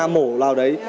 mổ nào đấy